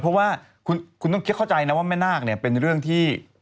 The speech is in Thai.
เพราะว่าคุณต้องคิดเข้าใจนะว่าแม่นาคเนี่ยเป็นเรื่องที่